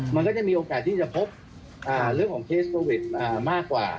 มันก็จะมีโอกาสที่จะพบเรื่องของเคสโควิดมากกว่า